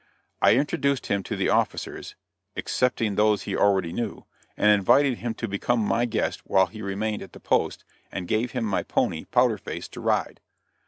I introduced him to the officers excepting those he already knew and invited him to become my guest while he remained at the post, and gave him my pony Powder Face to ride.